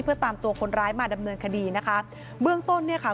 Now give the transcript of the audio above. เพื่อตามตัวคนร้ายมาดำเนินคดีนะคะเบื้องต้นเนี่ยค่ะ